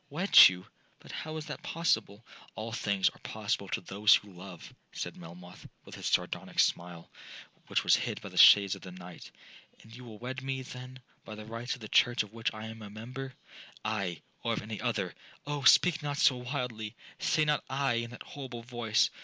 'Wed you!—but how is that possible?'—'All things are possible to those who love,' said Melmoth, with his sardonic smile, which was hid by the shades of the night. 'And you will wed me, then, by the rites of the church of which I am a member?'—'Aye! or of any other!'—'Oh speak not so wildly!—say not aye in that horrible voice!